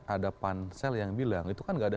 ada pansel yang bilang itu kan nggak ada